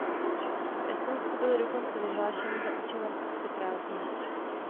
V Estonsku byly dokonce vyhlášeny za účelem akce prázdniny.